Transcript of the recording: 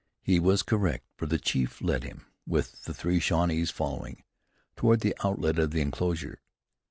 He was correct, for the chief led him, with the three Shawnees following, toward the outlet of the enclosure.